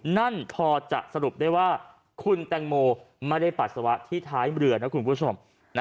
นั่นพอจะสรุปได้ว่าคุณแตงโมไม่ได้ปัสสาวะที่ท้ายเรือนะคุณผู้ชม